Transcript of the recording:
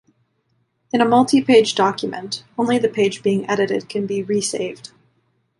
In a multipage document, only the page being edited can be re-saved.